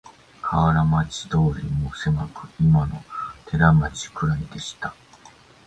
河原町通もせまく、いまの寺町くらいでした